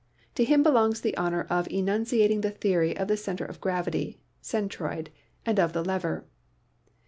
To him belongs the honor of enunciating the theory of the center of gravity (centroid) and of the lever.